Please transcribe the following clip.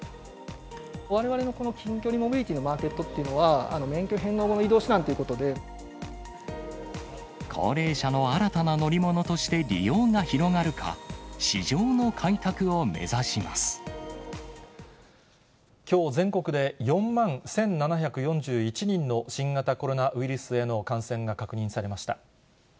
われわれのこの近距離モビリティのマーケットっていうのは、免許返納後の移動手段ということ高齢者の新たな乗り物として利用が広がるか、きょう、全国で４万１７４１人の新型コロナウイルスへの感染が確認されました。